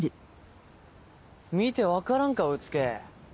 見て分からんかうつけ。